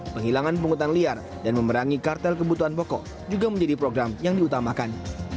penghilangan pungutan liar dan memerangi kartel kebutuhan pokok juga menjadi program yang diutamakan